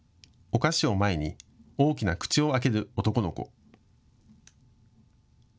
お菓子を前に大きな口を開ける男の子。